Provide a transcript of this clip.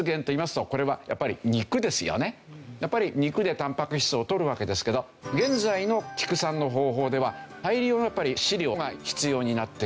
やっぱり肉でタンパク質を取るわけですけど現在の畜産の方法では大量の飼料が必要になってくる。